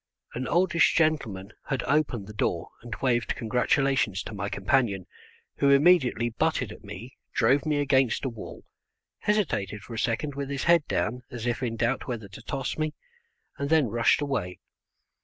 An oldish gentleman had opened the door and waved congratulations to my companion, who immediately butted at me, drove me against a wall, hesitated for a second with his head down as if in doubt whether to toss me, and then rushed away.